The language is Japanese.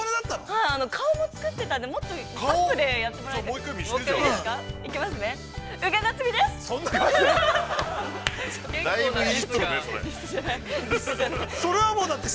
◆はい、顔も作ってたんで、もっとアップでやってもらえたらなって。